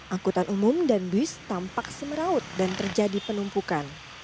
angkutan umum dan bus tampak semeraut dan terjadi penumpukan